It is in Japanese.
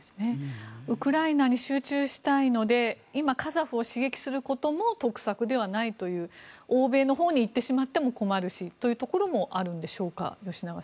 ウクライナに集中したいので今、カザフを刺激することも得策ではないという欧米のほうに行ってしまっても困るしというところもあるんでしょうか。